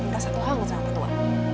minta satu hal gak salah pak tua